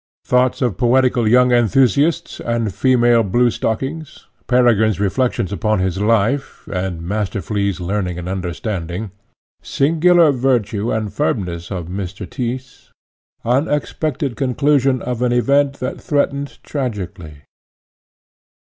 Thoughts of poetical young enthusiasts and female blue stockings. Peregrine's reflections upon his life, and Master Flea's learning and understanding. Singular virtue and firmness of Mr. Tyss. Unexpected conclusion of an event that threatened tragically.